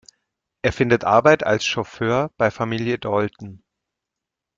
Er findet Arbeit als Chauffeur bei Familie Dalton.